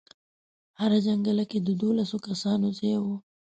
هره جنګله کې د دولسو کسانو ځای و.